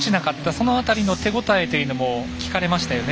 その辺りの手応えというのも聞かれましたよね。